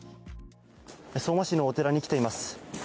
相馬市のお寺に来ています。